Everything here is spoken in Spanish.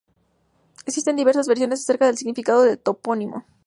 Existen diversas versiones acerca del significado del topónimo.